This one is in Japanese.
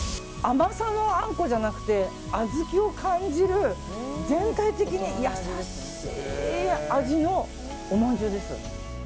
甘さのあんこじゃなくて小豆を感じる全体的に優しい味のおまんじゅうです。